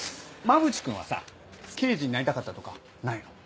馬淵君はさ刑事になりたかったとかないの？